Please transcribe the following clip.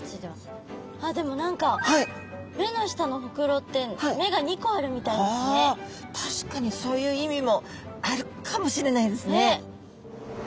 あっでも何か目の下のほくろってあ確かにそういう意味もあるかもしれないですね。